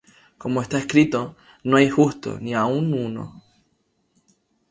Como está escrito: No hay justo, ni aun uno;